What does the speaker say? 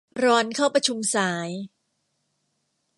รอนเข้าประชุมสาย